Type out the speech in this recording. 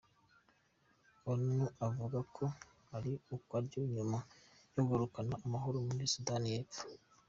Onu ivuga ko ari akaryo ka nyuma ko kugarukana amahoro muri Sudani y'epfo.